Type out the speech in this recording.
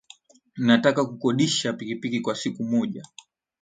Nataka kukodisha pikipiki kwa siku moja.